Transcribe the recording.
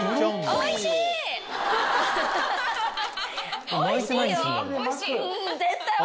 おいしいよ。